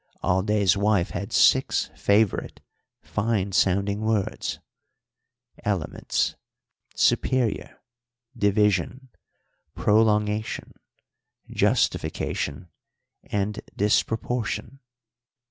Alday's wife had six favourite, fine sounding words elements, superior, division, prolongation, justification, and disproportion.